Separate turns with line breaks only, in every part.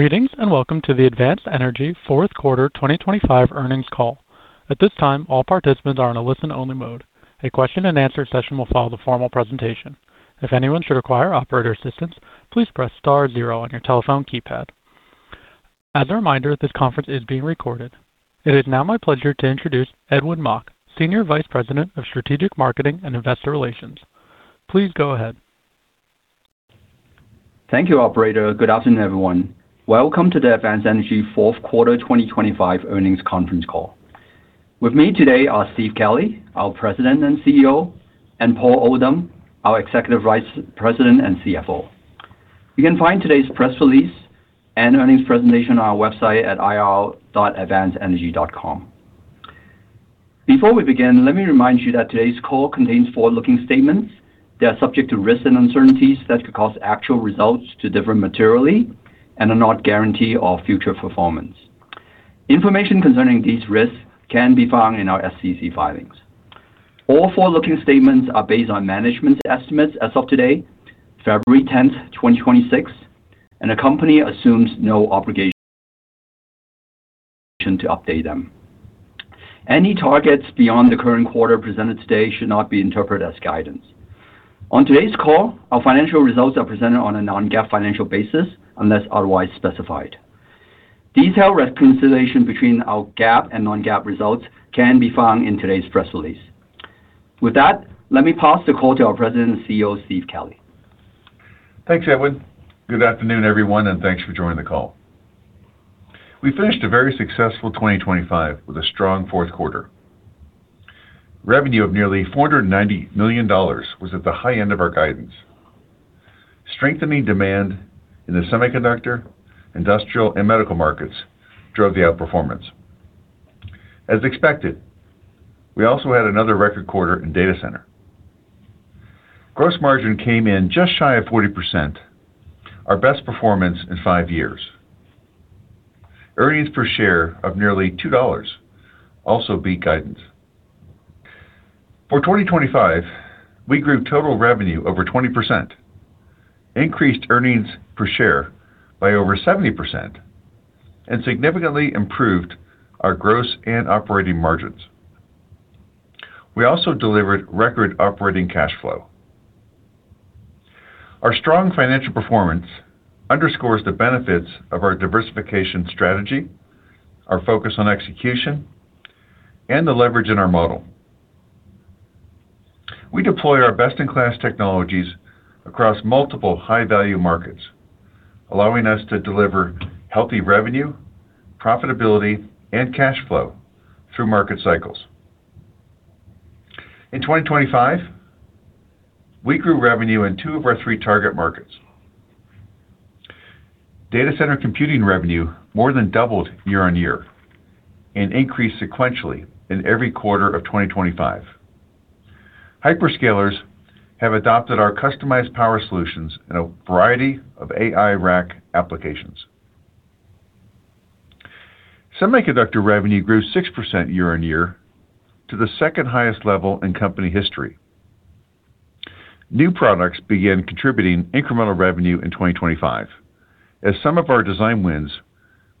Greetings and welcome to the Advanced Energy fourth quarter 2025 earnings call. At this time, all participants are in a listen-only mode. A question-and-answer session will follow the formal presentation. If anyone should require operator assistance, please press star zero on your telephone keypad. As a reminder, this conference is being recorded. It is now my pleasure to introduce Edwin Mok, Senior Vice President of Strategic Marketing and Investor Relations. Please go ahead.
Thank you, operator. Good afternoon, everyone. Welcome to the Advanced Energy fourth quarter 2025 earnings conference call. With me today are Steve Kelley, our President and CEO, and Paul Oldham, our Executive Vice President and CFO. You can find today's press release and earnings presentation on our website at ir.advancedenergy.com. Before we begin, let me remind you that today's call contains forward-looking statements that are subject to risks and uncertainties that could cause actual results to differ materially and are not a guarantee of future performance. Information concerning these risks can be found in our SEC filings. All forward-looking statements are based on management's estimates as of today, February 10th, 2026, and the company assumes no obligation to update them. Any targets beyond the current quarter presented today should not be interpreted as guidance. On today's call, our financial results are presented on a Non-GAAP financial basis unless otherwise specified. Detailed reconciliation between our GAAP and Non-GAAP results can be found in today's press release. With that, let me pass the call to our President and CEO, Steve Kelley.
Thanks, Edwin. Good afternoon, everyone, and thanks for joining the call. We finished a very successful 2025 with a strong fourth quarter. Revenue of nearly $490 million was at the high end of our guidance. Strengthening demand in the semiconductor, industrial, and medical markets drove the outperformance. As expected, we also had another record quarter in data center. Gross margin came in just shy of 40%, our best performance in five years. Earnings per share of nearly $2 also beat guidance. For 2025, we grew total revenue over 20%, increased earnings per share by over 70%, and significantly improved our gross and operating margins. We also delivered record operating cash flow. Our strong financial performance underscores the benefits of our diversification strategy, our focus on execution, and the leverage in our model. We deploy our best-in-class technologies across multiple high-value markets, allowing us to deliver healthy revenue, profitability, and cash flow through market cycles. In 2025, we grew revenue in two of our three target markets. Data center computing revenue more than doubled year-on-year and increased sequentially in every quarter of 2025. Hyperscalers have adopted our customized power solutions in a variety of AI rack applications. Semiconductor revenue grew 6% year-on-year to the second-highest level in company history. New products began contributing incremental revenue in 2025 as some of our design wins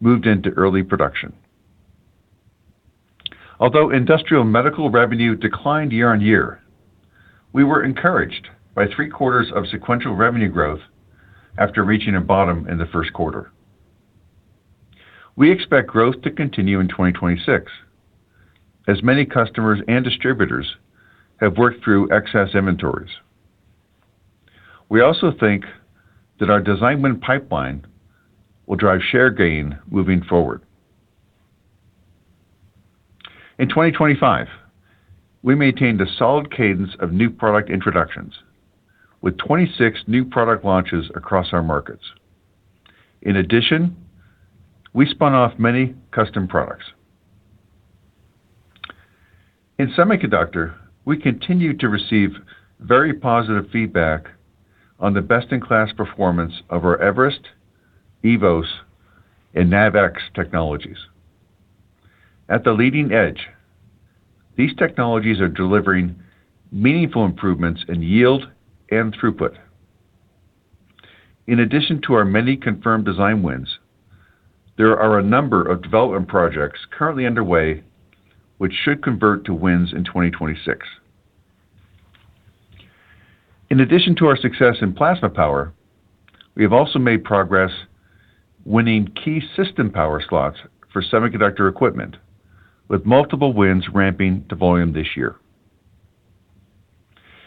moved into early production. Although industrial medical revenue declined year-on-year, we were encouraged by three-quarters of sequential revenue growth after reaching a bottom in the first quarter. We expect growth to continue in 2026 as many customers and distributors have worked through excess inventories. We also think that our design win pipeline will drive share gain moving forward. In 2025, we maintained a solid cadence of new product introductions with 26 new product launches across our markets. In addition, we spun off many custom products. In semiconductor, we continue to receive very positive feedback on the best-in-class performance of our Everest, eVoS, and NavX technologies. At the leading edge, these technologies are delivering meaningful improvements in yield and throughput. In addition to our many confirmed design wins, there are a number of development projects currently underway which should convert to wins in 2026. In addition to our success in plasma power, we have also made progress winning key system power slots for semiconductor equipment, with multiple wins ramping to volume this year.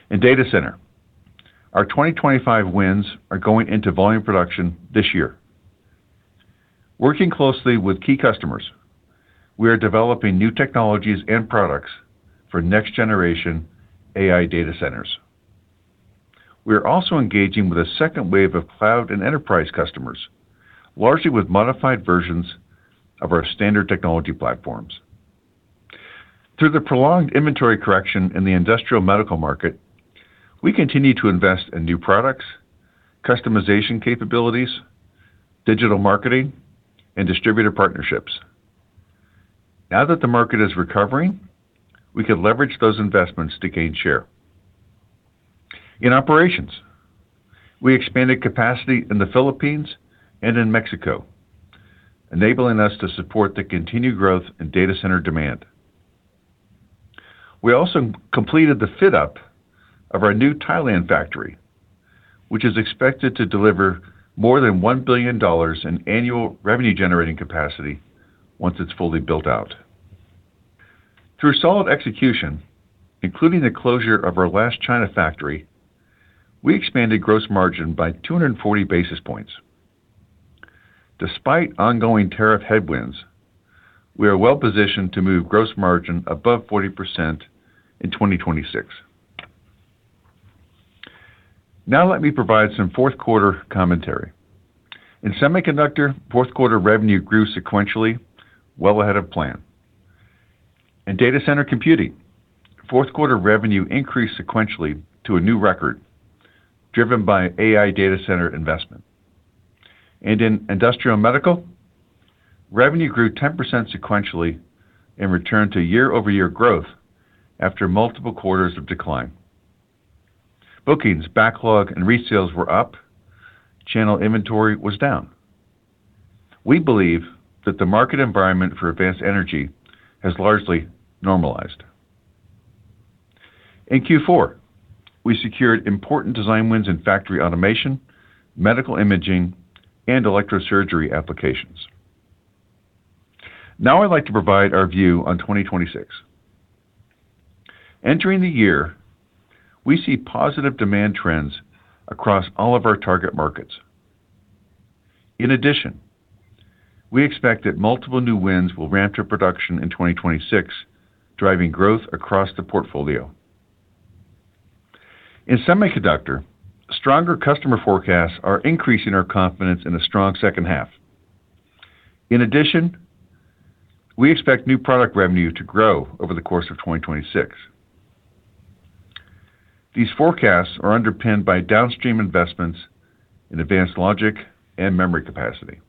In data center, our 2025 wins are going into volume production this year. Working closely with key customers, we are developing new technologies and products for next-generation AI data centers. We are also engaging with a second wave of cloud and enterprise customers, largely with modified versions of our standard technology platforms. Through the prolonged inventory correction in the industrial medical market, we continue to invest in new products, customization capabilities, digital marketing, and distributor partnerships. Now that the market is recovering, we can leverage those investments to gain share. In operations, we expanded capacity in the Philippines and in Mexico, enabling us to support the continued growth in data center demand. We also completed the fit-up of our new Thailand factory, which is expected to deliver more than $1 billion in annual revenue-generating capacity once it's fully built out. Through solid execution, including the closure of our last China factory, we expanded gross margin by 240 basis points. Despite ongoing tariff headwinds, we are well-positioned to move gross margin above 40% in 2026. Now let me provide some fourth-quarter commentary. In semiconductor, fourth-quarter revenue grew sequentially, well ahead of plan. In data center computing, fourth-quarter revenue increased sequentially to a new record driven by AI data center investment. In industrial medical, revenue grew 10% sequentially and returned to year-over-year growth after multiple quarters of decline. Bookings, backlog, and resales were up. Channel inventory was down. We believe that the market environment for Advanced Energy has largely normalized. In Q4, we secured important design wins in factory automation, medical imaging, and electrosurgery applications. Now I'd like to provide our view on 2026. Entering the year, we see positive demand trends across all of our target markets. In addition, we expect that multiple new wins will ramp to production in 2026, driving growth across the portfolio. In semiconductor, stronger customer forecasts are increasing our confidence in a strong second half. In addition, we expect new product revenue to grow over the course of 2026. These forecasts are underpinned by downstream investments in advanced logic and memory capacity.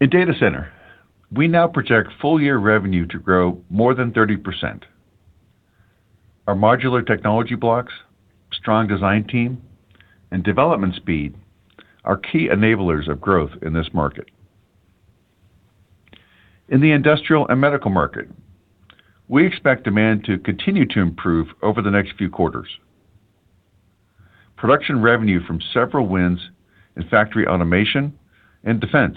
In data center, we now project full-year revenue to grow more than 30%. Our modular technology blocks, strong design team, and development speed are key enablers of growth in this market. In the industrial and medical market, we expect demand to continue to improve over the next few quarters. Production revenue from several wins in factory automation and defense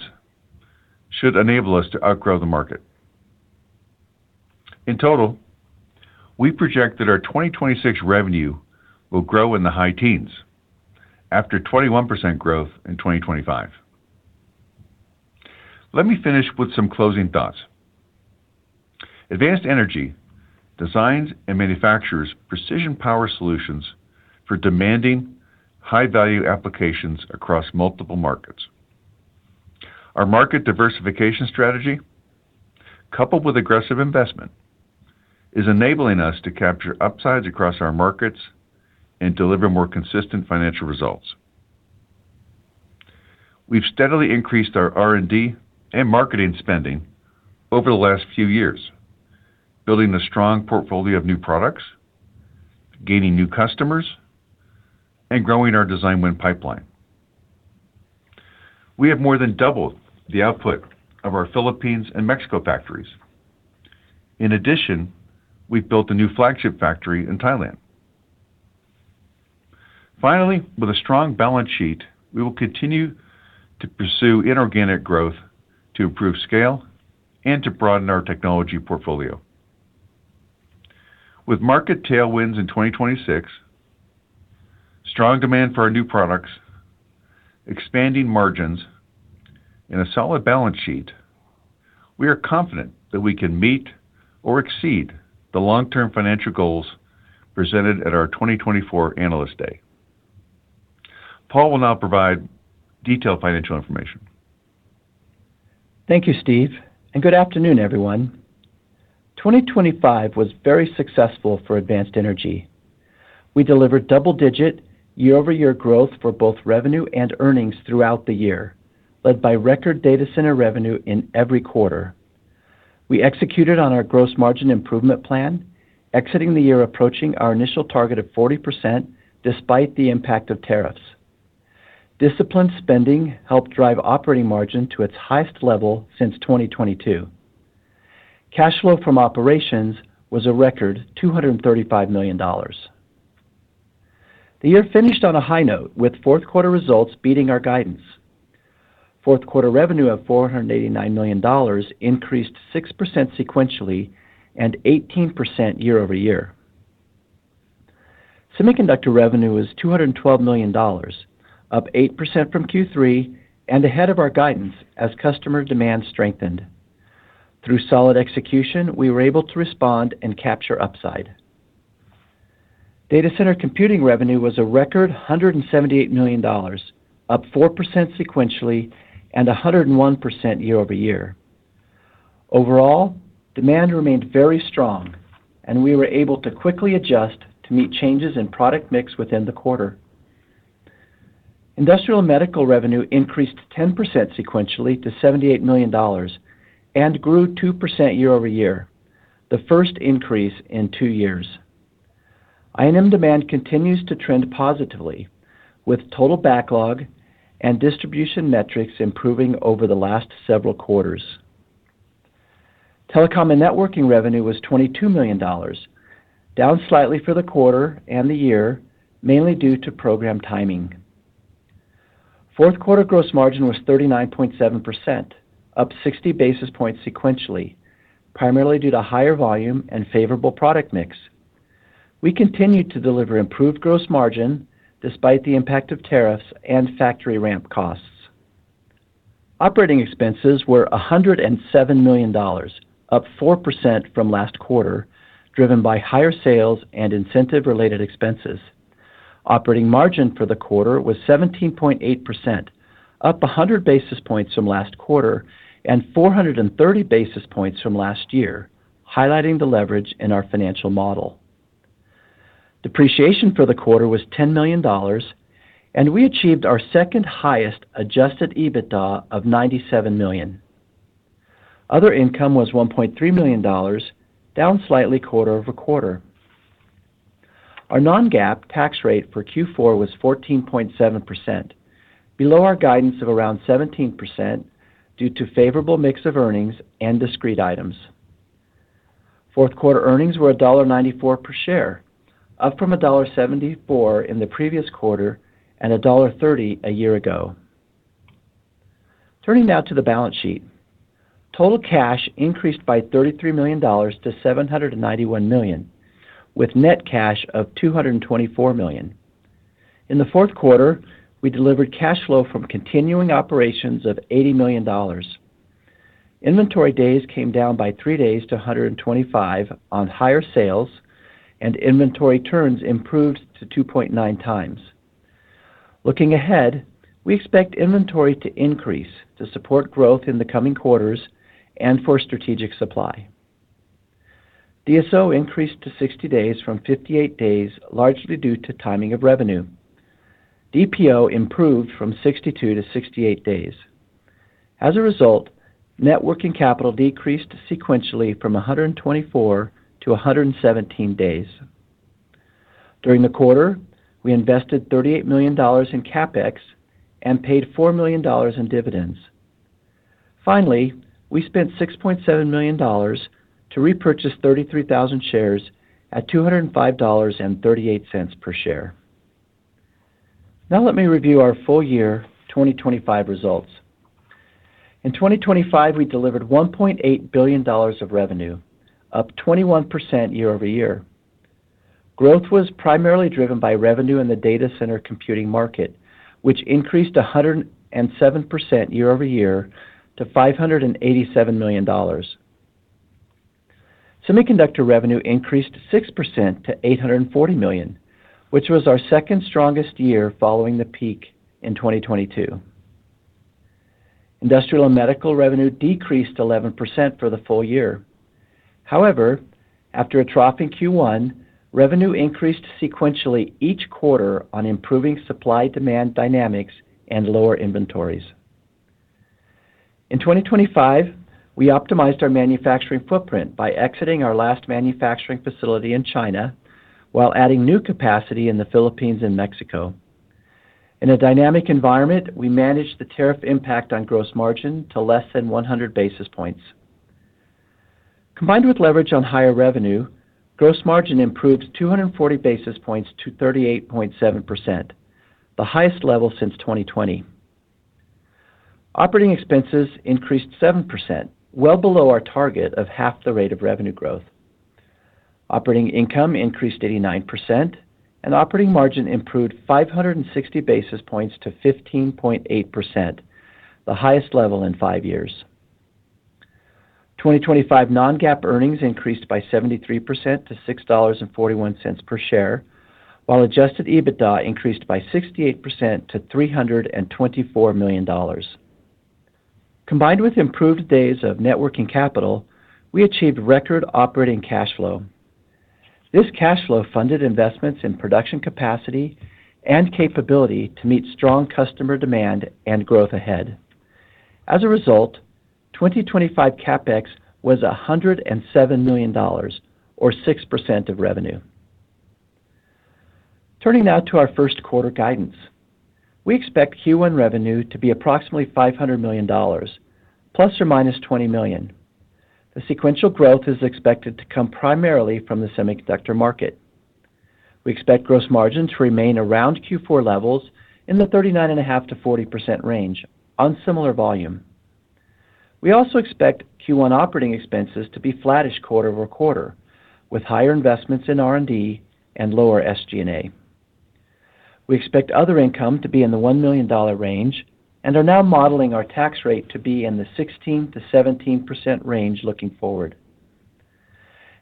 should enable us to outgrow the market. In total, we project that our 2026 revenue will grow in the high teens after 21% growth in 2025. Let me finish with some closing thoughts. Advanced Energy designs and manufactures precision power solutions for demanding, high-value applications across multiple markets. Our market diversification strategy, coupled with aggressive investment, is enabling us to capture upsides across our markets and deliver more consistent financial results. We've steadily increased our R&D and marketing spending over the last few years, building a strong portfolio of new products, gaining new customers, and growing our design win pipeline. We have more than doubled the output of our Philippines and Mexico factories. In addition, we've built a new flagship factory in Thailand. Finally, with a strong balance sheet, we will continue to pursue inorganic growth to improve scale and to broaden our technology portfolio. With market tailwinds in 2026, strong demand for our new products, expanding margins, and a solid balance sheet, we are confident that we can meet or exceed the long-term financial goals presented at our 2024 analyst day. Paul will now provide detailed financial information.
Thank you, Steve, and good afternoon, everyone. 2025 was very successful for Advanced Energy. We delivered double-digit year-over-year growth for both revenue and earnings throughout the year, led by record data center revenue in every quarter. We executed on our gross margin improvement plan, exiting the year approaching our initial target of 40% despite the impact of tariffs. Disciplined spending helped drive operating margin to its highest level since 2022. Cash flow from operations was a record $235 million. The year finished on a high note, with fourth-quarter results beating our guidance. Fourth-quarter revenue of $489 million increased 6% sequentially and 18% year-over-year. Semiconductor revenue is $212 million, up 8% from Q3 and ahead of our guidance as customer demand strengthened. Through solid execution, we were able to respond and capture upside. Data center computing revenue was a record $178 million, up 4% sequentially and 101% year-over-year. Overall, demand remained very strong, and we were able to quickly adjust to meet changes in product mix within the quarter. Industrial medical revenue increased 10% sequentially to $78 million and grew 2% year-over-year, the first increase in two years. I&M demand continues to trend positively, with total backlog and distribution metrics improving over the last several quarters. Telecom and networking revenue was $22 million, down slightly for the quarter and the year, mainly due to program timing. Fourth-quarter gross margin was 39.7%, up 60 basis points sequentially, primarily due to higher volume and favorable product mix. We continued to deliver improved gross margin despite the impact of tariffs and factory ramp costs. Operating expenses were $107 million, up 4% from last quarter, driven by higher sales and incentive-related expenses. Operating margin for the quarter was 17.8%, up 100 basis points from last quarter and 430 basis points from last year, highlighting the leverage in our financial model. Depreciation for the quarter was $10 million, and we achieved our second-highest Adjusted EBITDA of $97 million. Other income was $1.3 million, down slightly quarter-over-quarter. Our Non-GAAP tax rate for Q4 was 14.7%, below our guidance of around 17% due to favorable mix of earnings and discrete items. Fourth-quarter earnings were $1.94 per share, up from $1.74 in the previous quarter and $1.30 a year ago. Turning now to the balance sheet. Total cash increased by $33 million to $791 million, with net cash of $224 million. In the fourth quarter, we delivered cash flow from continuing operations of $80 million. Inventory days came down by three days to 125 on higher sales, and inventory turns improved to 2.9 times. Looking ahead, we expect inventory to increase to support growth in the coming quarters and for strategic supply. DSO increased to 60 days from 58 days, largely due to timing of revenue. DPO improved from 62 to 68 days. As a result, net working capital decreased sequentially from 124 to 117 days. During the quarter, we invested $38 million in CapEx and paid $4 million in dividends. Finally, we spent $6.7 million to repurchase 33,000 shares at $205.38 per share. Now let me review our full-year 2025 results. In 2025, we delivered $1.8 billion of revenue, up 21% year-over-year. Growth was primarily driven by revenue in the data center computing market, which increased 107% year-over-year to $587 million. Semiconductor revenue increased 6% to $840 million, which was our second-strongest year following the peak in 2022. Industrial and medical revenue decreased 11% for the full year. However, after a trough in Q1, revenue increased sequentially each quarter on improving supply-demand dynamics and lower inventories. In 2025, we optimized our manufacturing footprint by exiting our last manufacturing facility in China while adding new capacity in the Philippines and Mexico. In a dynamic environment, we managed the tariff impact on gross margin to less than 100 basis points. Combined with leverage on higher revenue, gross margin improved 240 basis points to 38.7%, the highest level since 2020. Operating expenses increased 7%, well below our target of half the rate of revenue growth. Operating income increased 89%, and operating margin improved 560 basis points to 15.8%, the highest level in five years. 2025 Non-GAAP earnings increased by 73% to $6.41 per share, while Adjusted EBITDA increased by 68% to $324 million. Combined with improved days of net working capital, we achieved record operating cash flow. This cash flow funded investments in production capacity and capability to meet strong customer demand and growth ahead. As a result, 2025 CapEx was $107 million, or 6% of revenue. Turning now to our first-quarter guidance. We expect Q1 revenue to be approximately $500 million, ±$20 million. The sequential growth is expected to come primarily from the semiconductor market. We expect gross margins to remain around Q4 levels in the 39.5%-40% range, on similar volume. We also expect Q1 operating expenses to be flatter quarter-over-quarter, with higher investments in R&D and lower SG&A. We expect other income to be in the $1 million range and are now modeling our tax rate to be in the 16%-17% range looking forward.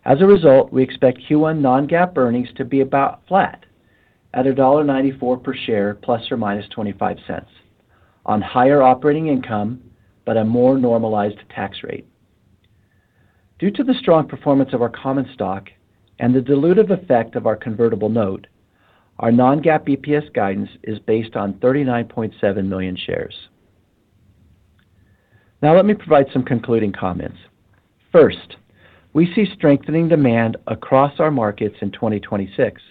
As a result, we expect Q1 Non-GAAP earnings to be about flat, at $1.94 per share ±$0.25, on higher operating income but a more normalized tax rate. Due to the strong performance of our common stock and the dilutive effect of our convertible note, our Non-GAAP EPS guidance is based on 39.7 million shares. Now let me provide some concluding comments. First, we see strengthening demand across our markets in 2026.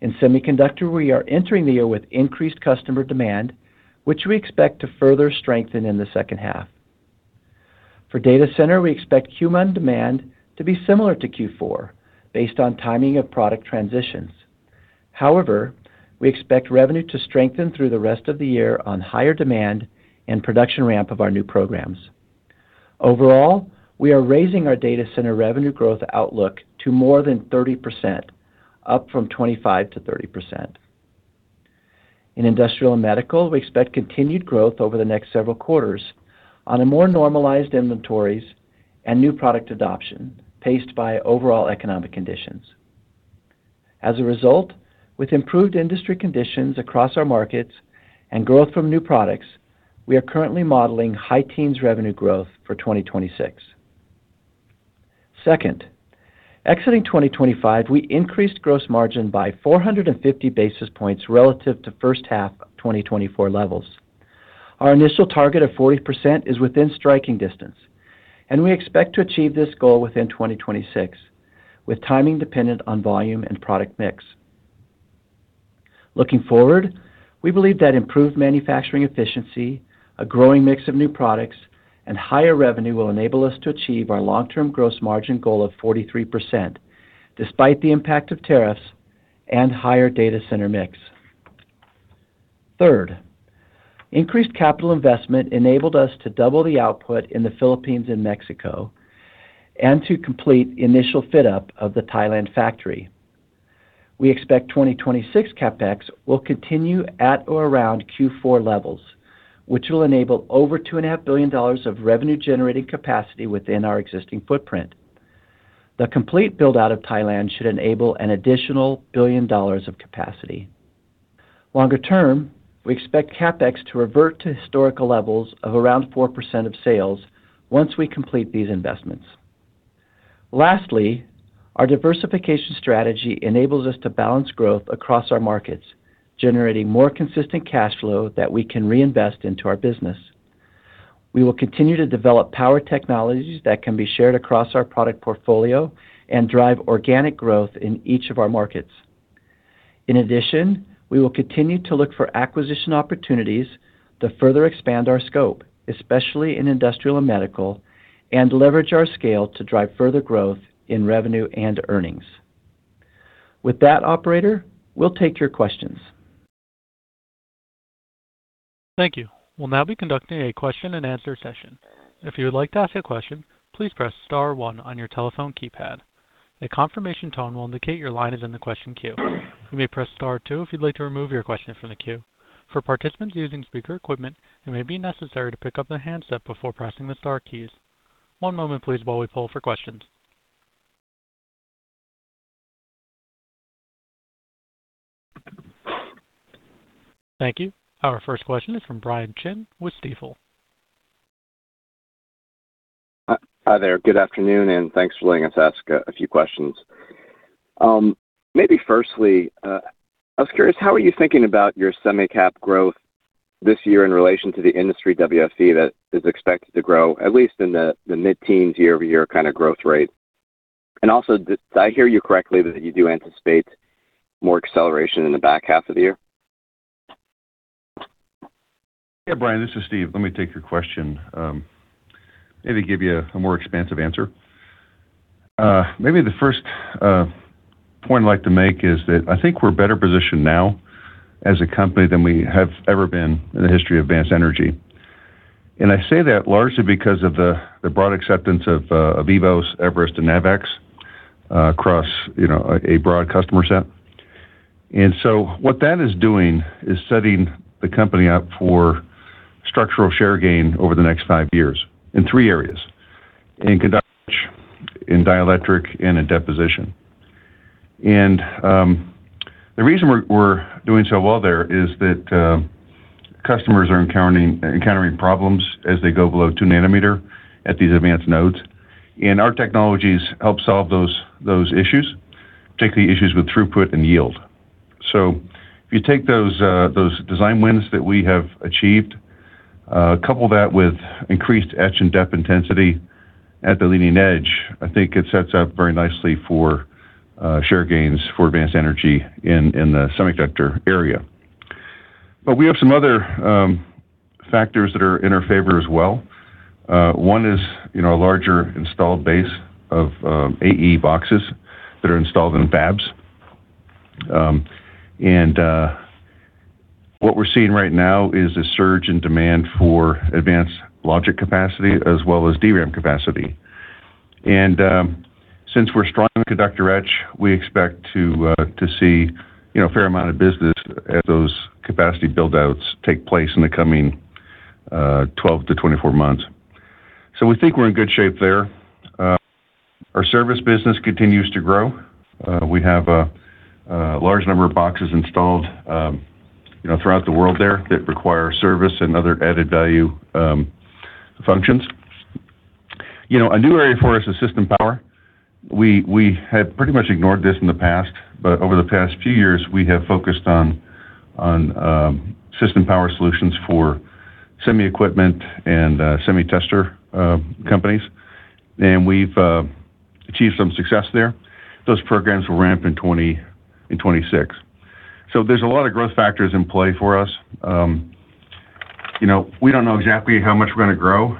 In semiconductor, we are entering the year with increased customer demand, which we expect to further strengthen in the second half. For data center, we expect Q1 demand to be similar to Q4, based on timing of product transitions. However, we expect revenue to strengthen through the rest of the year on higher demand and production ramp of our new programs. Overall, we are raising our data center revenue growth outlook to more than 30%, up from 25%-30%. In industrial and medical, we expect continued growth over the next several quarters on a more normalized inventories and new product adoption, paced by overall economic conditions. As a result, with improved industry conditions across our markets and growth from new products, we are currently modeling high-teens revenue growth for 2026. Second, exiting 2025, we increased gross margin by 450 basis points relative to first-half 2024 levels. Our initial target of 40% is within striking distance, and we expect to achieve this goal within 2026, with timing dependent on volume and product mix. Looking forward, we believe that improved manufacturing efficiency, a growing mix of new products, and higher revenue will enable us to achieve our long-term gross margin goal of 43%, despite the impact of tariffs and higher data center mix. Third, increased capital investment enabled us to double the output in the Philippines and Mexico and to complete initial fit-up of the Thailand factory. We expect 2026 CapEx will continue at or around Q4 levels, which will enable over $2.5 billion of revenue-generating capacity within our existing footprint. The complete build-out of Thailand should enable an additional $1 billion of capacity. Longer term, we expect CapEx to revert to historical levels of around 4% of sales once we complete these investments. Lastly, our diversification strategy enables us to balance growth across our markets, generating more consistent cash flow that we can reinvest into our business. We will continue to develop power technologies that can be shared across our product portfolio and drive organic growth in each of our markets. In addition, we will continue to look for acquisition opportunities to further expand our scope, especially in industrial and medical, and leverage our scale to drive further growth in revenue and earnings. With that, operator, we'll take your questions.
Thank you. We'll now be conducting a question-and-answer session. If you would like to ask a question, please press star one on your telephone keypad. A confirmation tone will indicate your line is in the question queue. You may press star two if you'd like to remove your question from the queue. For participants using speaker equipment, it may be necessary to pick up the handset before pressing the star keys. One moment, please, while we pull for questions. Thank you. Our first question is from Brian Chin with Stifel.
Hi there. Good afternoon, and thanks for letting us ask a few questions. Maybe firstly, I was curious, how are you thinking about your semi-cap growth this year in relation to the industry WFE that is expected to grow, at least in the mid-teens year-over-year kind of growth rate? And also, did I hear you correctly that you do anticipate more acceleration in the back half of the year?
Yeah, Brian. This is Steve. Let me take your question. Maybe give you a more expansive answer. Maybe the first point I'd like to make is that I think we're better positioned now as a company than we have ever been in the history of Advanced Energy. And I say that largely because of the broad acceptance of eVoS, Everest, and NavX across a broad customer set. And so what that is doing is setting the company up for structural share gain over the next five years in three areas: in conduction, in dielectric, and in deposition. And the reason we're doing so well there is that customers are encountering problems as they go below 2 nanometer at these advanced nodes, and our technologies help solve those issues, particularly issues with throughput and yield. So if you take those design wins that we have achieved, couple that with increased etch and dep intensity at the leading edge, I think it sets up very nicely for share gains for Advanced Energy in the semiconductor area. But we have some other factors that are in our favor as well. One is a larger installed base of AE boxes that are installed in fabs. And what we're seeing right now is a surge in demand for advanced logic capacity as well as DRAM capacity. And since we're strong in conductor etch, we expect to see a fair amount of business as those capacity build-outs take place in the coming 12-24 months. So we think we're in good shape there. Our service business continues to grow. We have a large number of boxes installed throughout the world there that require service and other added value functions. A new area for us is system power. We had pretty much ignored this in the past, but over the past few years, we have focused on system power solutions for semi equipment and semi-tester companies, and we've achieved some success there. Those programs will ramp in 2026. So there's a lot of growth factors in play for us. We don't know exactly how much we're going to grow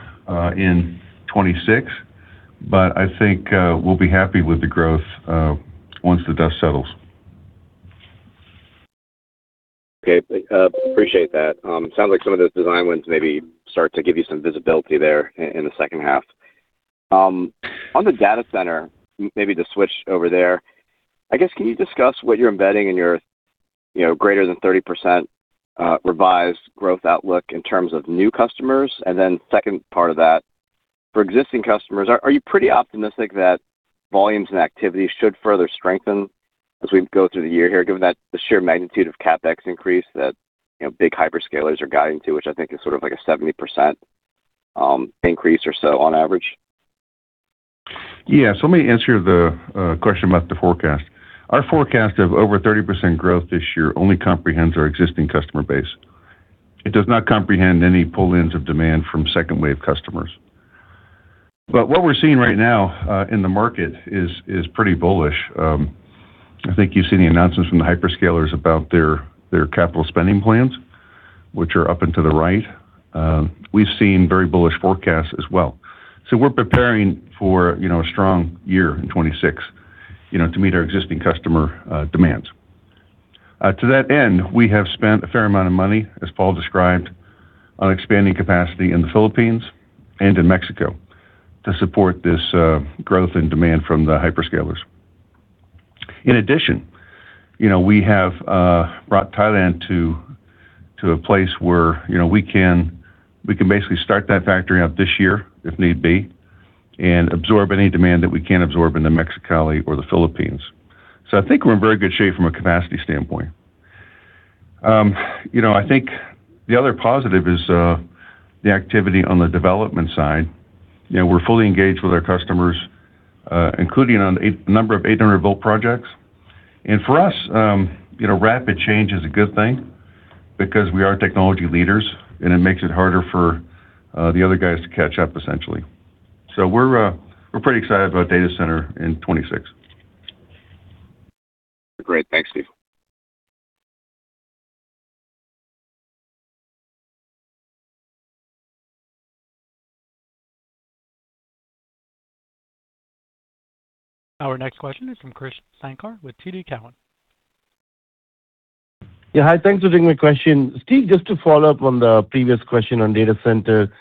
in 2026, but I think we'll be happy with the growth once the dust settles.
Okay. Appreciate that. Sounds like some of those design wins maybe start to give you some visibility there in the second half. On the data center, maybe to switch over there, I guess, can you discuss what you're embedding in your greater-than 30% revised growth outlook in terms of new customers? And then second part of that, for existing customers, are you pretty optimistic that volumes and activity should further strengthen as we go through the year here, given the sheer magnitude of CapEx increase that big hyperscalers are guiding to, which I think is sort of like a 70% increase or so on average?
Yeah. So let me answer the question about the forecast. Our forecast of over 30% growth this year only comprehends our existing customer base. It does not comprehend any pull-ins of demand from second-wave customers. But what we're seeing right now in the market is pretty bullish. I think you've seen the announcements from the hyperscalers about their capital spending plans, which are up and to the right. We've seen very bullish forecasts as well. So we're preparing for a strong year in 2026 to meet our existing customer demands. To that end, we have spent a fair amount of money, as Paul described, on expanding capacity in the Philippines and in Mexico to support this growth in demand from the hyperscalers. In addition, we have brought Thailand to a place where we can basically start that factory up this year, if need be, and absorb any demand that we can't absorb in the Mexicali or the Philippines. So I think we're in very good shape from a capacity standpoint. I think the other positive is the activity on the development side. We're fully engaged with our customers, including on a number of 800-volt projects. And for us, rapid change is a good thing because we are technology leaders, and it makes it harder for the other guys to catch up, essentially. So we're pretty excited about data center in 2026.
Great. Thanks, Steve.
Our next question is from Krish Sankar with TD Cowen.
Yeah. Hi. Thanks for taking my question. Steve, just to follow up on the previous question on data center,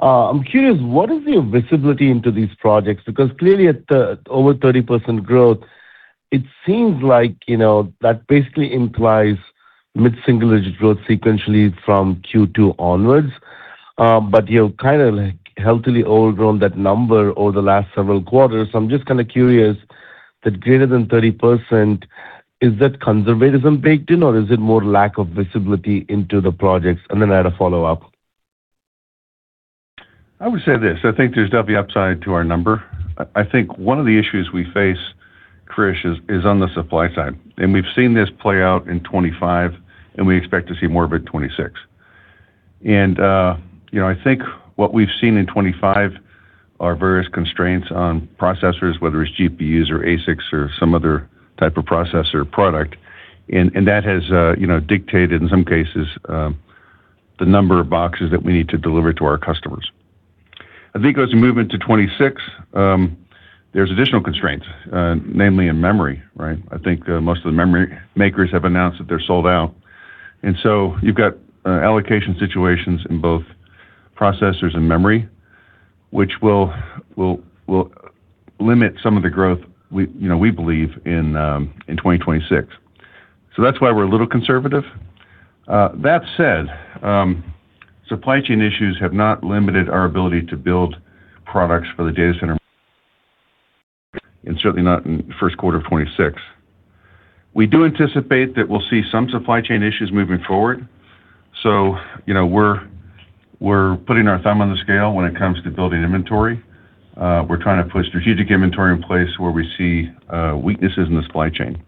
I'm curious, what is your visibility into these projects? Because clearly, at the over 30% growth, it seems like that basically implies mid-single-digit growth sequentially from Q2 onwards. But you've kind of healthily overgrown that number over the last several quarters. So I'm just kind of curious, that greater-than-30%, is that conservatism baked in, or is it more lack of visibility into the projects? And then I had a follow-up.
I would say this. I think there's definitely upside to our number. I think one of the issues we face, Krish, is on the supply side. And we've seen this play out in 2025, and we expect to see more of it in 2026. And I think what we've seen in 2025 are various constraints on processors, whether it's GPUs or ASICs or some other type of processor product. And that has dictated, in some cases, the number of boxes that we need to deliver to our customers. I think as we move into 2026, there's additional constraints, namely in memory, right? I think most of the memory makers have announced that they're sold out. And so you've got allocation situations in both processors and memory, which will limit some of the growth, we believe, in 2026. So that's why we're a little conservative. That said, supply chain issues have not limited our ability to build products for the data center, and certainly not in the first quarter of 2026. We do anticipate that we'll see some supply chain issues moving forward. So we're putting our thumb on the scale when it comes to building inventory. We're trying to put strategic inventory in place where we see weaknesses in the supply chain.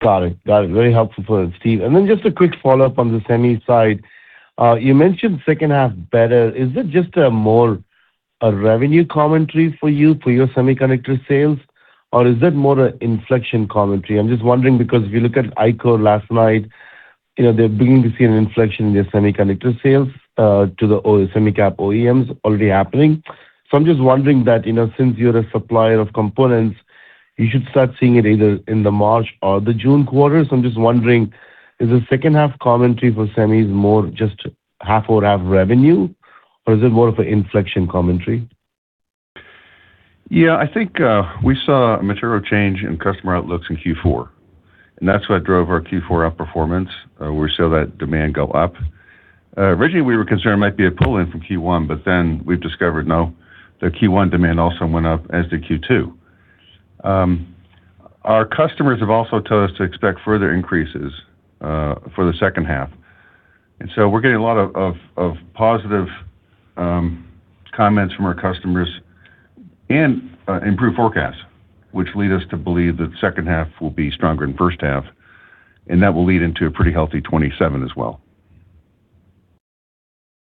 Got it. Got it. Very helpful for us, Steve. And then just a quick follow-up on the semi side. You mentioned second half better. Is it just more a revenue commentary for you, for your semiconductor sales, or is that more an inflection commentary? I'm just wondering because if you look at Ichor last night, they're beginning to see an inflection in their semiconductor sales to the semi-cap OEMs already happening. So I'm just wondering that since you're a supplier of components, you should start seeing it either in the March or the June quarters. So I'm just wondering, is the second-half commentary for semis more just half-over-half revenue, or is it more of an inflection commentary?
Yeah. I think we saw a material change in customer outlooks in Q4. And that's what drove our Q4 up performance, where we saw that demand go up. Originally, we were concerned it might be a pull-in from Q1, but then we've discovered, no, the Q1 demand also went up as did Q2. Our customers have also told us to expect further increases for the second half. And so we're getting a lot of positive comments from our customers and improved forecasts, which lead us to believe that second half will be stronger than first half, and that will lead into a pretty healthy 2027 as well.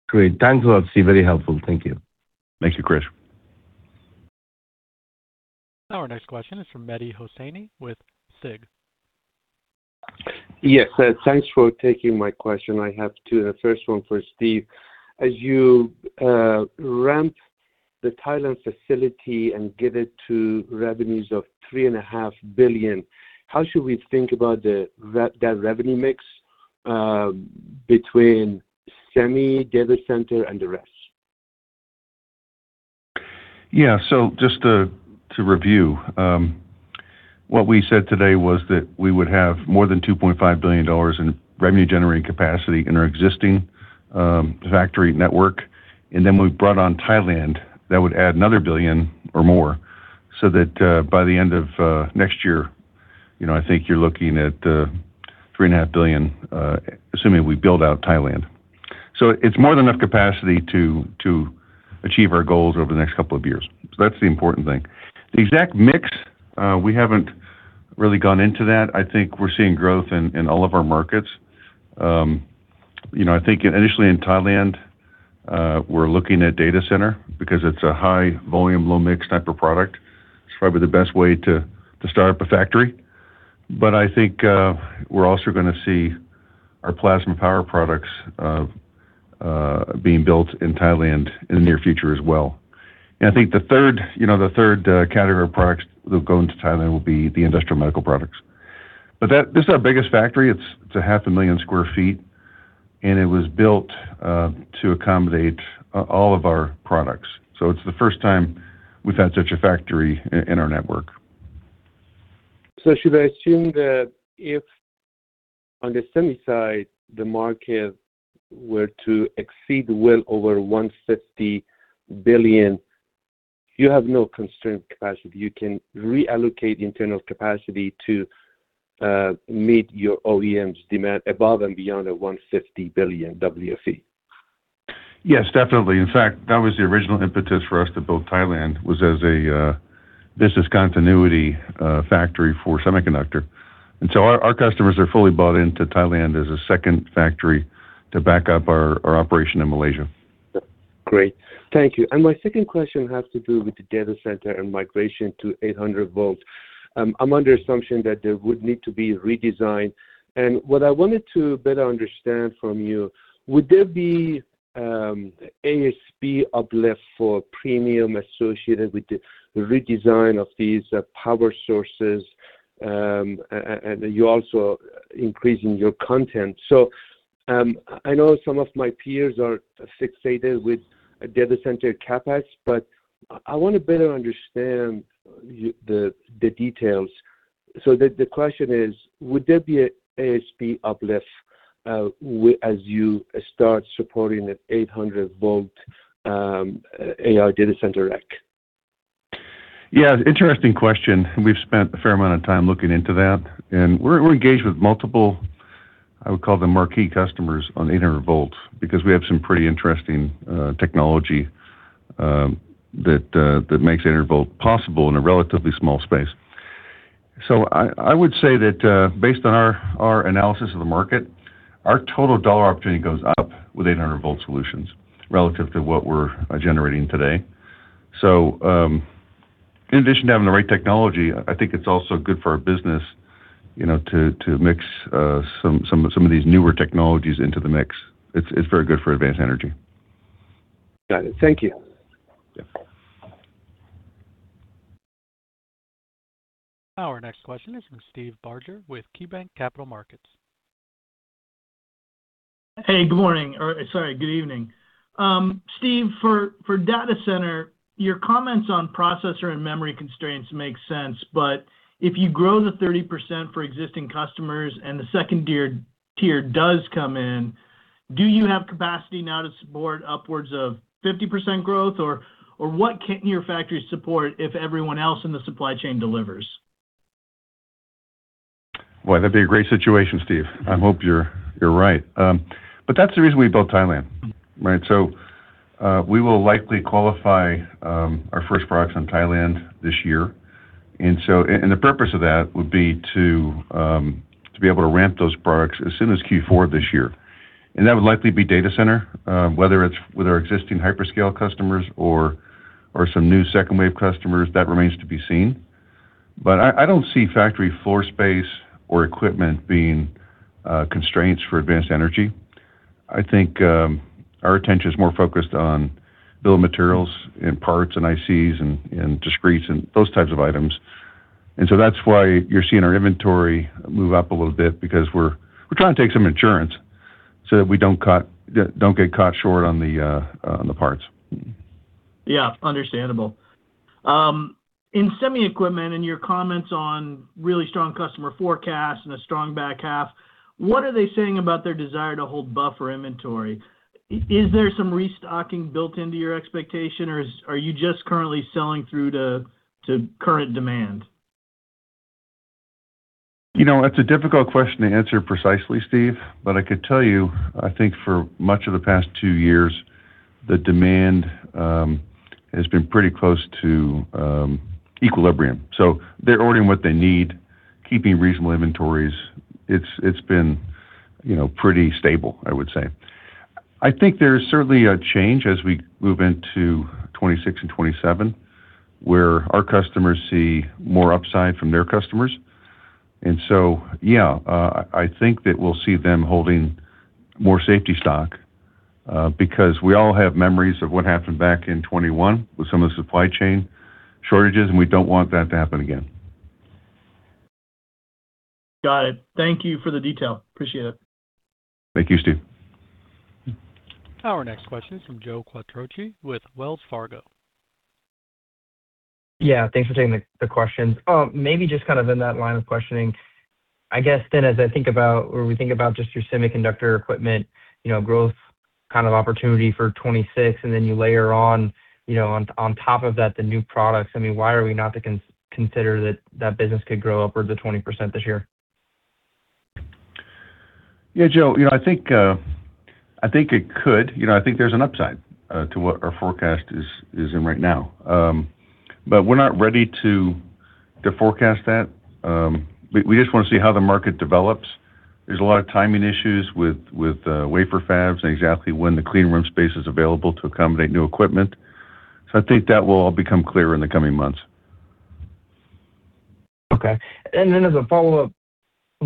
Great. Thanks a lot, Steve. Very helpful. Thank you.
Thank you, Krish.
Our next question is from Mehdi Hosseini with SIG.
Yes. Thanks for taking my question. I have two. And the first one for Steve. As you ramp the Thailand facility and get it to revenues of $3.5 billion, how should we think about that revenue mix between semi, data center, and the rest?
Yeah. So just to review, what we said today was that we would have more than $2.5 billion in revenue-generating capacity in our existing factory network. And then we brought on Thailand that would add another $1 billion or more so that by the end of next year, I think you're looking at $3.5 billion, assuming we build out Thailand. So it's more than enough capacity to achieve our goals over the next couple of years. So that's the important thing. The exact mix, we haven't really gone into that. I think we're seeing growth in all of our markets. I think initially in Thailand, we're looking at data center because it's a high-volume, low-mix type of product. It's probably the best way to start up a factory. But I think we're also going to see our plasma power products being built in Thailand in the near future as well. I think the third category of products that will go into Thailand will be the industrial medical products. But this is our biggest factory. It's 500,000 sq ft, and it was built to accommodate all of our products. So it's the first time we've had such a factory in our network.
Should I assume that if on the semi side, the market were to exceed well over $150 billion, you have no constrained capacity? You can reallocate internal capacity to meet your OEMs' demand above and beyond a $150 billion WFE?
Yes, definitely. In fact, that was the original impetus for us to build Thailand, was as a business continuity factory for semiconductor. And so our customers are fully bought into Thailand as a second factory to back up our operation in Malaysia.
Great. Thank you. And my second question has to do with the data center and migration to 800 volts. I'm under assumption that there would need to be a redesign. And what I wanted to better understand from you, would there be ASP uplift for premium associated with the redesign of these power sources? And you're also increasing your content. So I know some of my peers are fixated with data center CapEx, but I want to better understand the details. So the question is, would there be an ASP uplift as you start supporting an 800-volt AI data center rack?
Yeah. Interesting question. We've spent a fair amount of time looking into that. And we're engaged with multiple, I would call them, marquee customers on 800 volts because we have some pretty interesting technology that makes 800 volts possible in a relatively small space. So I would say that based on our analysis of the market, our total dollar opportunity goes up with 800-volt solutions relative to what we're generating today. So in addition to having the right technology, I think it's also good for our business to mix some of these newer technologies into the mix. It's very good for Advanced Energy.
Got it. Thank you.
Yeah.
Our next question is from Steve Barger with KeyBanc Capital Markets.
Hey. Good morning. Sorry. Good evening. Steve, for data center, your comments on processor and memory constraints make sense. But if you grow the 30% for existing customers and the second tier does come in, do you have capacity now to support upwards of 50% growth, or what can your factory support if everyone else in the supply chain delivers?
Boy, that'd be a great situation, Steve. I hope you're right. But that's the reason we built Thailand, right? So we will likely qualify our first products in Thailand this year. And the purpose of that would be to be able to ramp those products as soon as Q4 this year. And that would likely be data center, whether it's with our existing hyperscale customers or some new second-wave customers. That remains to be seen. But I don't see factory floor space or equipment being constraints for Advanced Energy. I think our attention is more focused on bill of materials and parts and ICs and discretes and those types of items. And so that's why you're seeing our inventory move up a little bit because we're trying to take some insurance so that we don't get caught short on the parts.
Yeah. Understandable. In semi equipment and your comments on really strong customer forecasts and a strong back half, what are they saying about their desire to hold buffer inventory? Is there some restocking built into your expectation, or are you just currently selling through to current demand?
That's a difficult question to answer precisely, Steve. But I could tell you, I think for much of the past two years, the demand has been pretty close to equilibrium. So they're ordering what they need, keeping reasonable inventories. It's been pretty stable, I would say. I think there's certainly a change as we move into 2026 and 2027 where our customers see more upside from their customers. And so yeah, I think that we'll see them holding more safety stock because we all have memories of what happened back in 2021 with some of the supply chain shortages, and we don't want that to happen again.
Got it. Thank you for the detail. Appreciate it.
Thank you, Steve.
Our next question is from Joe Quatrochi with Wells Fargo.
Yeah. Thanks for taking the questions. Maybe just kind of in that line of questioning, I guess then as I think about when we think about just your semiconductor equipment, growth kind of opportunity for 2026, and then you layer on top of that the new products, I mean, why are we not to consider that that business could grow upwards of 20% this year?
Yeah, Joe. I think it could. I think there's an upside to what our forecast is in right now. But we're not ready to forecast that. We just want to see how the market develops. There's a lot of timing issues with wafer fabs and exactly when the clean room space is available to accommodate new equipment. So I think that will all become clearer in the coming months.
Okay. And then as a follow-up, I'm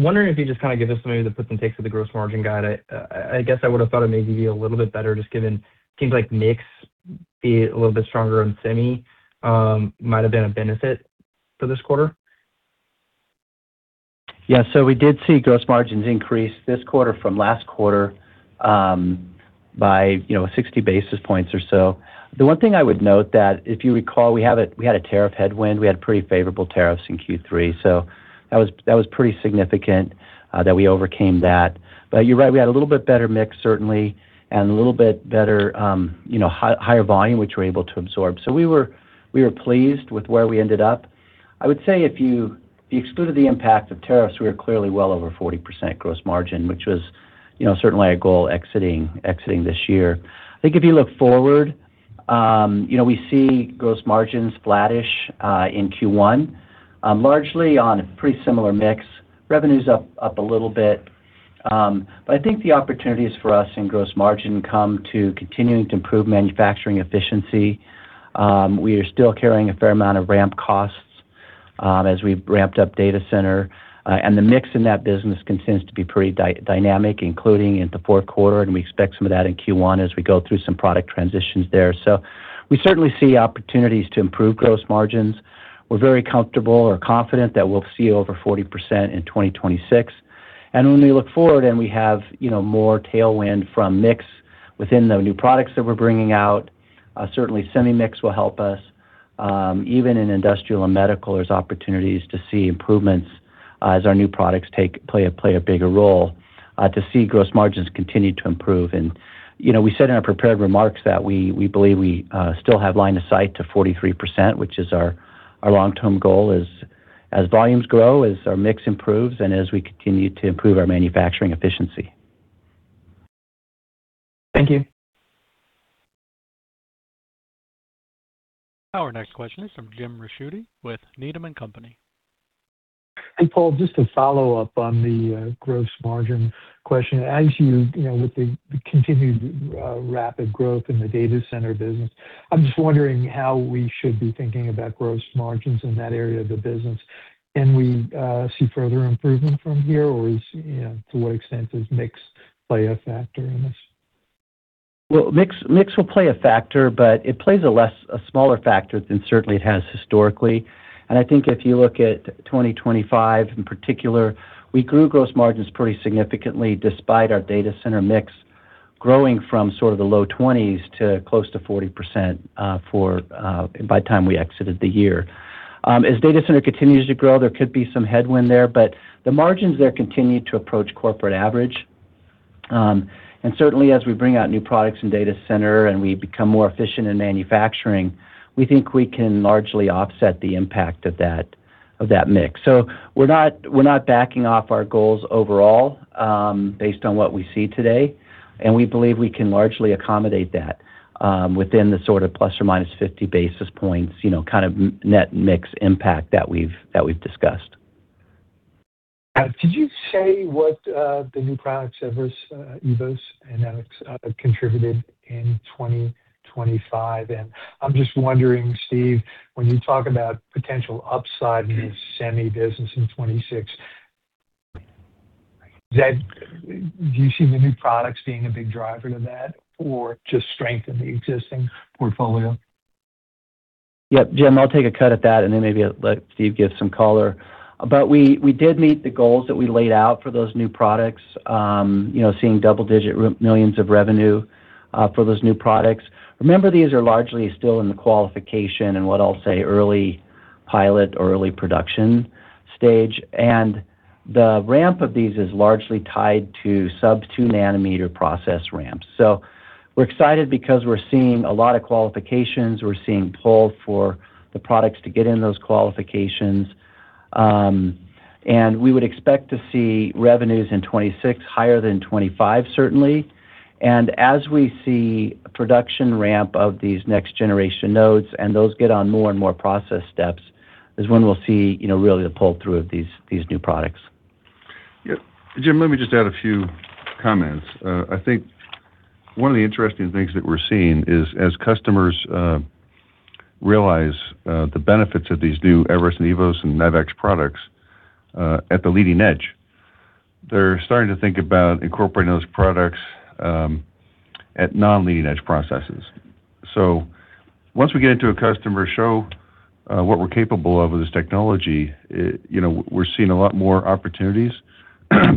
wondering if you just kind of give us maybe the puts and takes of the gross margin guide. I guess I would have thought it maybe be a little bit better just given it seems like mix being a little bit stronger on semi might have been a benefit for this quarter.
Yeah. So we did see gross margins increase this quarter from last quarter by 60 basis points or so. The one thing I would note that if you recall, we had a tariff headwind. We had pretty favorable tariffs in Q3. So that was pretty significant that we overcame that. But you're right. We had a little bit better mix, certainly, and a little bit better higher volume, which we were able to absorb. So we were pleased with where we ended up. I would say if you excluded the impact of tariffs, we were clearly well over 40% gross margin, which was certainly a goal exiting this year. I think if you look forward, we see gross margins flattish in Q1, largely on a pretty similar mix. Revenue's up a little bit. But I think the opportunities for us in gross margin come to continuing to improve manufacturing efficiency. We are still carrying a fair amount of ramp costs as we've ramped up data center. The mix in that business continues to be pretty dynamic, including into fourth quarter. We expect some of that in Q1 as we go through some product transitions there. We certainly see opportunities to improve gross margins. We're very comfortable or confident that we'll see over 40% in 2026. When we look forward and we have more tailwind from mix within the new products that we're bringing out, certainly, semi mix will help us. Even in industrial and medical, there's opportunities to see improvements as our new products play a bigger role, to see gross margins continue to improve. We said in our prepared remarks that we believe we still have line of sight to 43%, which is our long-term goal, as volumes grow, as our mix improves, and as we continue to improve our manufacturing efficiency.
Thank you.
Our next question is from Jim Ricchiuti with Needham & Company.
Paul, just to follow up on the gross margin question, as you with the continued rapid growth in the data center business, I'm just wondering how we should be thinking about gross margins in that area of the business. Can we see further improvement from here, or to what extent does mix play a factor in this?
Well, mix will play a factor, but it plays a smaller factor than certainly it has historically. I think if you look at 2025 in particular, we grew gross margins pretty significantly despite our data center mix growing from sort of the low 20s to close to 40% by the time we exited the year. As data center continues to grow, there could be some headwind there, but the margins there continue to approach corporate average. Certainly, as we bring out new products in data center and we become more efficient in manufacturing, we think we can largely offset the impact of that mix. We're not backing off our goals overall based on what we see today. We believe we can largely accommodate that within the sort of ±50 basis points kind of net mix impact that we've discussed.
Got it. Did you say what the new products of eVoS and NavX contributed in 2025? And I'm just wondering, Steve, when you talk about potential upside in the semi business in 2026, do you see the new products being a big driver to that or just strengthen the existing portfolio?
Yep. Jim, I'll take a cut at that, and then maybe let Steve give some caller. But we did meet the goals that we laid out for those new products, seeing double-digit millions of revenue for those new products. Remember, these are largely still in the qualification and what I'll say, early pilot or early production stage. And the ramp of these is largely tied to sub-2-nanometer process ramps. So we're excited because we're seeing a lot of qualifications. We're seeing pull for the products to get in those qualifications. And we would expect to see revenues in 2026 higher than 2025, certainly. And as we see production ramp of these next-generation nodes and those get on more and more process steps is when we'll see really the pull-through of these new products.
Yep. Jim, let me just add a few comments. I think one of the interesting things that we're seeing is as customers realize the benefits of these new Everest and eVoS and NavX products at the leading edge, they're starting to think about incorporating those products at non-leading-edge processes. So once we get into a customer show what we're capable of with this technology, we're seeing a lot more opportunities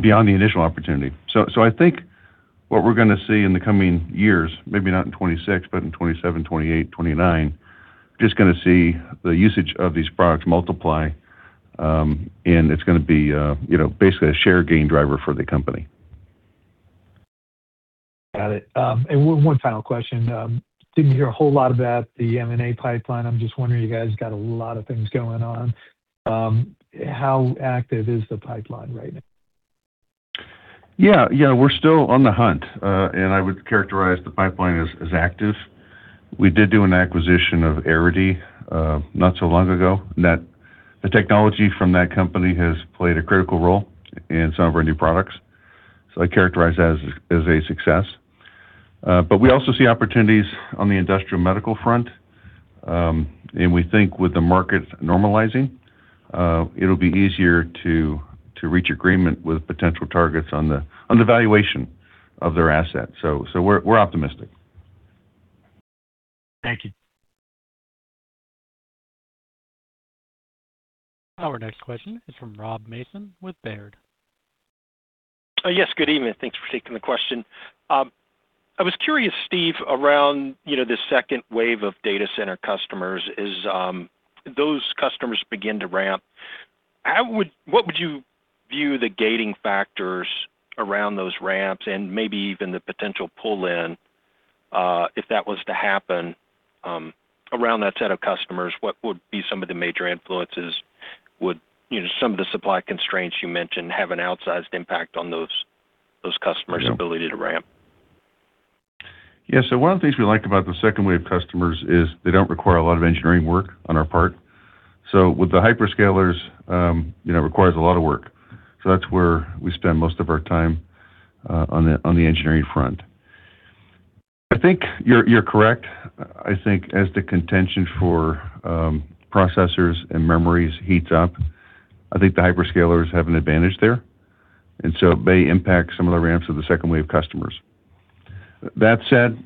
beyond the initial opportunity. So I think what we're going to see in the coming years, maybe not in 2026, but in 2027, 2028, 2029, we're just going to see the usage of these products multiply, and it's going to be basically a share gain driver for the company.
Got it. One final question. Didn't hear a whole lot about the M&A pipeline. I'm just wondering, you guys got a lot of things going on. How active is the pipeline right now?
Yeah. Yeah. We're still on the hunt. And I would characterize the pipeline as active. We did do an acquisition of Airity not so long ago. The technology from that company has played a critical role in some of our new products. So I characterize that as a success. But we also see opportunities on the industrial medical front. And we think with the market normalizing, it'll be easier to reach agreement with potential targets on the valuation of their assets. So we're optimistic.
Thank you.
Our next question is from Rob Mason with Baird.
Yes. Good evening. Thanks for taking the question. I was curious, Steve, around the second wave of data center customers, as those customers begin to ramp, what would you view the gating factors around those ramps and maybe even the potential pull-in, if that was to happen, around that set of customers? What would be some of the major influences? Would some of the supply constraints you mentioned have an outsized impact on those customers' ability to ramp?
Yeah. So one of the things we like about the second wave customers is they don't require a lot of engineering work on our part. So with the hyperscalers, it requires a lot of work. So that's where we spend most of our time on the engineering front. I think you're correct. I think as the contention for processors and memories heats up, I think the hyperscalers have an advantage there. And so it may impact some of the ramps of the second wave customers. That said,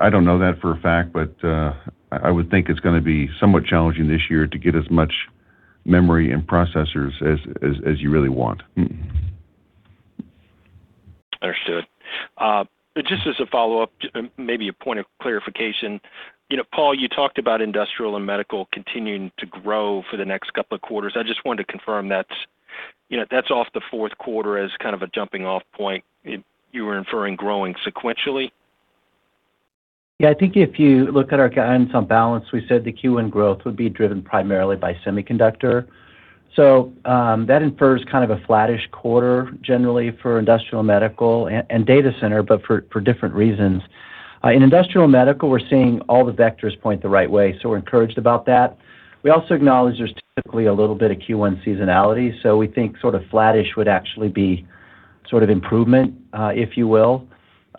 I don't know that for a fact, but I would think it's going to be somewhat challenging this year to get as much memory and processors as you really want.
Understood. Just as a follow-up, maybe a point of clarification, Paul, you talked about industrial and medical continuing to grow for the next couple of quarters. I just wanted to confirm that's off the fourth quarter as kind of a jumping-off point. You were inferring growing sequentially?
Yeah. I think if you look at our guidance on balance, we said the Q1 growth would be driven primarily by semiconductor. So that infers kind of a flattish quarter, generally, for industrial medical and data center, but for different reasons. In industrial medical, we're seeing all the vectors point the right way. So we're encouraged about that. We also acknowledge there's typically a little bit of Q1 seasonality. So we think sort of flattish would actually be sort of improvement, if you will,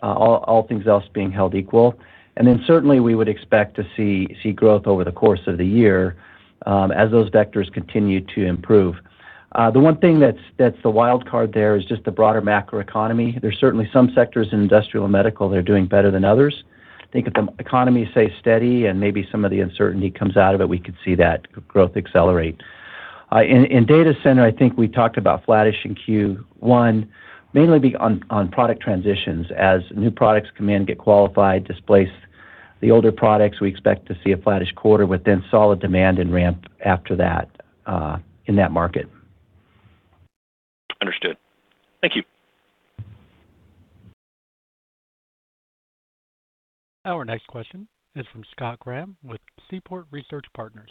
all things else being held equal. And then certainly, we would expect to see growth over the course of the year as those vectors continue to improve. The one thing that's the wild card there is just the broader macroeconomy. There's certainly some sectors in industrial and medical that are doing better than others. I think if the economy stays steady and maybe some of the uncertainty comes out of it, we could see that growth accelerate. In data center, I think we talked about flattish in Q1, mainly on product transitions. As new products come in, get qualified, displace the older products, we expect to see a flattish quarter with then solid demand and ramp after that in that market.
Understood. Thank you.
Our next question is from Scott Graham with Seaport Research Partners.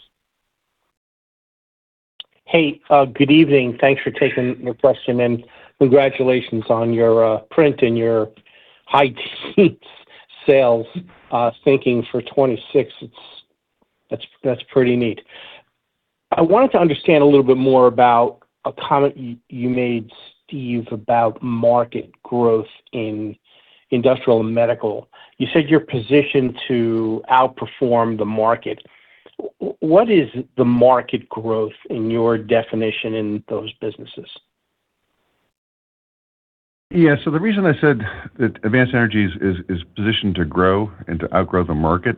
Hey. Good evening. Thanks for taking the question. Congratulations on your print and your high-teens sales thinking for 2026. That's pretty neat. I wanted to understand a little bit more about a comment you made, Steve, about market growth in industrial and medical. You said you're positioned to outperform the market. What is the market growth in your definition in those businesses?
Yeah. So the reason I said that Advanced Energy is positioned to grow and to outgrow the market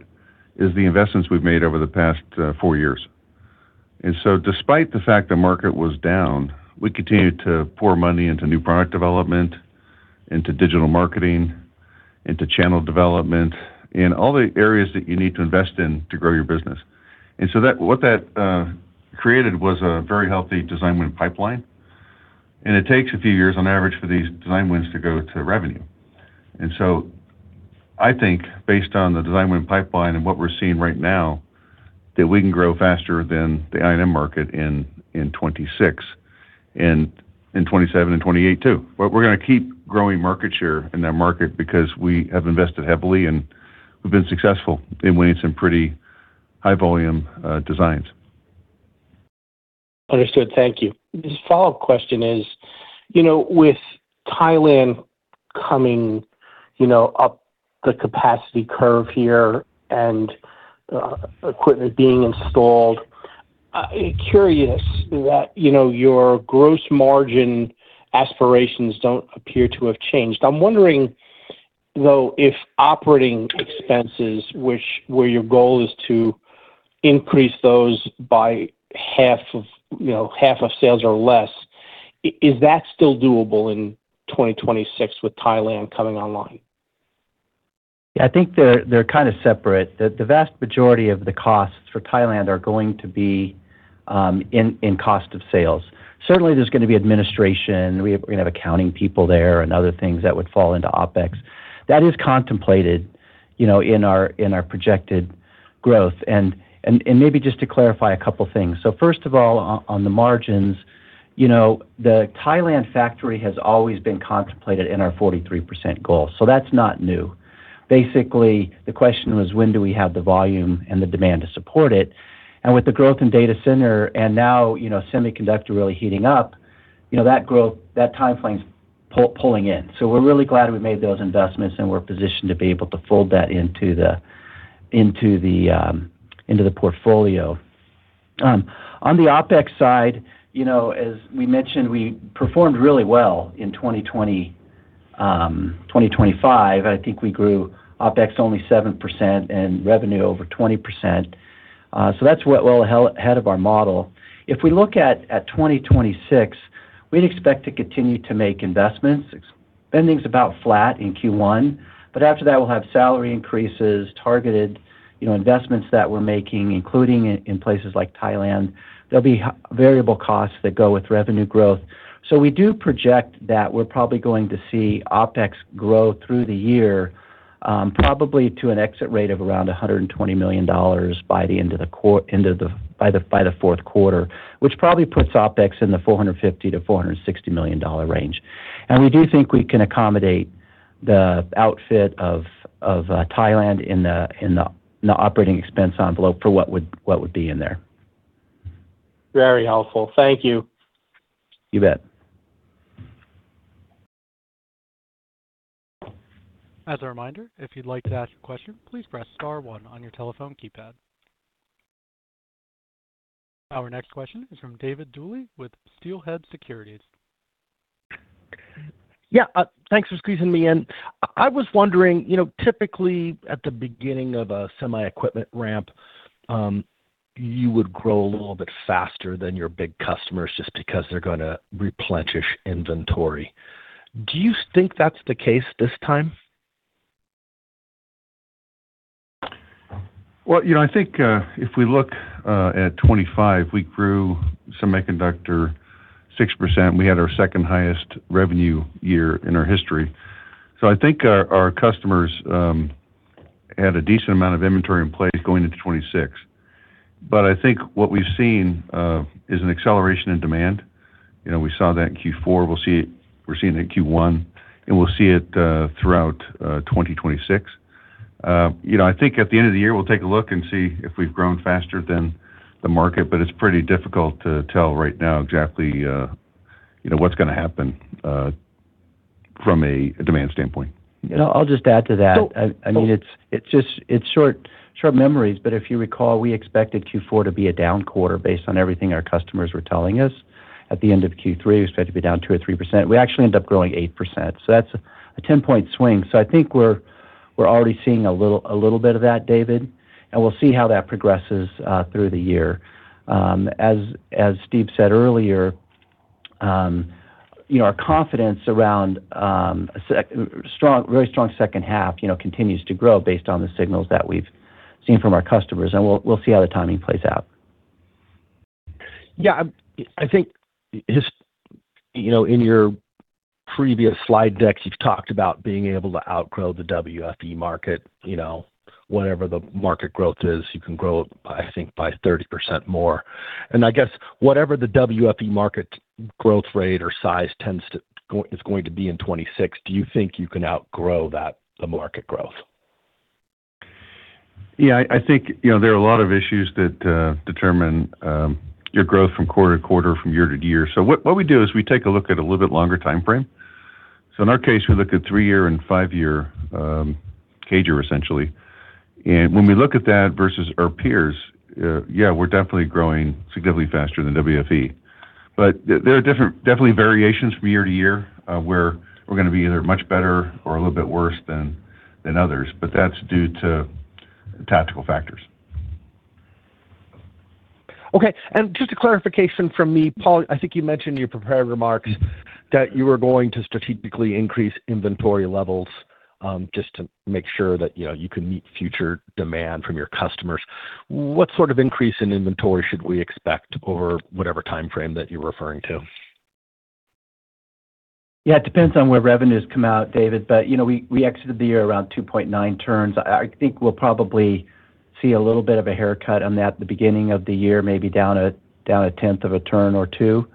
is the investments we've made over the past four years. And so despite the fact the market was down, we continued to pour money into new product development, into digital marketing, into channel development, in all the areas that you need to invest in to grow your business. And so what that created was a very healthy design win pipeline. And it takes a few years, on average, for these design wins to go to revenue. And so I think based on the design win pipeline and what we're seeing right now, that we can grow faster than the I&M market in 2026 and in 2027 and 2028 too. But we're going to keep growing market share in that market because we have invested heavily, and we've been successful in winning some pretty high-volume designs.
Understood. Thank you. This follow-up question is, with Thailand coming up the capacity curve here and equipment being installed, curious that your gross margin aspirations don't appear to have changed. I'm wondering, though, if operating expenses, where your goal is to increase those by half of sales or less, is that still doable in 2026 with Thailand coming online?
Yeah. I think they're kind of separate. The vast majority of the costs for Thailand are going to be in cost of sales. Certainly, there's going to be administration. We're going to have accounting people there and other things that would fall into OpEx. That is contemplated in our projected growth. And maybe just to clarify a couple of things. So first of all, on the margins, the Thailand factory has always been contemplated in our 43% goal. So that's not new. Basically, the question was, when do we have the volume and the demand to support it? And with the growth in data center and now semiconductor really heating up, that timeframe's pulling in. So we're really glad we made those investments, and we're positioned to be able to fold that into the portfolio. On the OpEx side, as we mentioned, we performed really well in 2020-2025. I think we grew OpEx only 7% and revenue over 20%. So that's well ahead of our model. If we look at 2026, we'd expect to continue to make investments. Spending's about flat in Q1. But after that, we'll have salary increases, targeted investments that we're making, including in places like Thailand. There'll be variable costs that go with revenue growth. So we do project that we're probably going to see OpEx grow through the year, probably to an exit rate of around $120 million by the end of the fourth quarter, which probably puts OpEx in the $450 million-$460 million range. And we do think we can accommodate the outfit of Thailand in the operating expense envelope for what would be in there.
Very helpful. Thank you.
You bet.
As a reminder, if you'd like to ask a question, please press star one on your telephone keypad. Our next question is from David Duley with Steelhead Partners.
Yeah. Thanks for squeezing me in. I was wondering, typically, at the beginning of a semi equipment ramp, you would grow a little bit faster than your big customers just because they're going to replenish inventory. Do you think that's the case this time?
Well, I think if we look at 2025, we grew semiconductor 6%. We had our second-highest revenue year in our history. So I think our customers had a decent amount of inventory in place going into 2026. But I think what we've seen is an acceleration in demand. We saw that in Q4. We're seeing it in Q1, and we'll see it throughout 2026. I think at the end of the year, we'll take a look and see if we've grown faster than the market. But it's pretty difficult to tell right now exactly what's going to happen from a demand standpoint.
I'll just add to that. I mean, it's short memories. But if you recall, we expected Q4 to be a down quarter based on everything our customers were telling us. At the end of Q3, we expected to be down 2% or 3%. We actually ended up growing 8%. So that's a 10-point swing. So I think we're already seeing a little bit of that, David. And we'll see how that progresses through the year. As Steve said earlier, our confidence around a very strong second half continues to grow based on the signals that we've seen from our customers. And we'll see how the timing plays out.
Yeah. I think in your previous slide deck, you've talked about being able to outgrow the WFE market. Whatever the market growth is, you can grow it, I think, by 30% more. And I guess whatever the WFE market growth rate or size is going to be in 2026, do you think you can outgrow the market growth?
Yeah. I think there are a lot of issues that determine your growth from quarter to quarter, from year to year. So what we do is we take a look at a little bit longer timeframe. So in our case, we look at three-year and five-year CAGR, essentially. And when we look at that versus our peers, yeah, we're definitely growing significantly faster than WFE. But there are definitely variations from year to year where we're going to be either much better or a little bit worse than others. But that's due to tactical factors.
Okay. Just a clarification from me, Paul. I think you mentioned in your prepared remarks that you were going to strategically increase inventory levels just to make sure that you can meet future demand from your customers. What sort of increase in inventory should we expect over whatever timeframe that you're referring to?
Yeah. It depends on where revenues come out, David. But we exited the year around 2.9 turns. I think we'll probably see a little bit of a haircut on that at the beginning of the year, maybe down a tenth of a turn or two.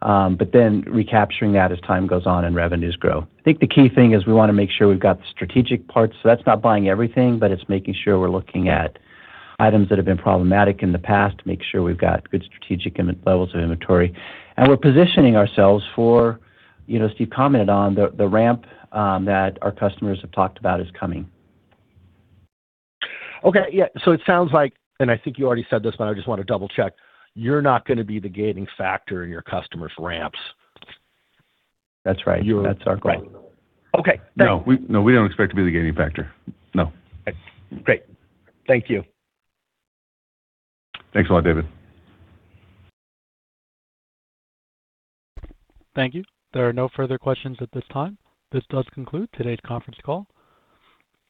But then recapturing that as time goes on and revenues grow. I think the key thing is we want to make sure we've got the strategic parts. So that's not buying everything, but it's making sure we're looking at items that have been problematic in the past, make sure we've got good strategic levels of inventory. And we're positioning ourselves for, Steve commented on, the ramp that our customers have talked about is coming.
Okay. Yeah. So it sounds like and I think you already said this, but I just want to double-check. You're not going to be the gating factor in your customers' ramps.
That's right. That's our goal.
Okay. Thank you.
No. We don't expect to be the gating factor. No.
Great. Thank you.
Thanks a lot, David.
Thank you. There are no further questions at this time. This does conclude today's conference call.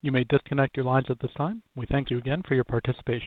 You may disconnect your lines at this time. We thank you again for your participation.